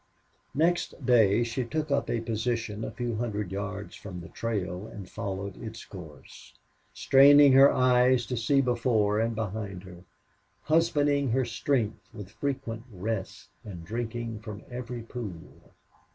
Next day she took up a position a few hundred yards from the trail and followed its course, straining her eyes to see before and behind her, husbanding her strength with frequent rests, and drinking from every pool.